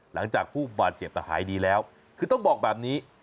หลังจากผู้บาดเจ็บหายดีแล้วคือต้องบอกแบบนี้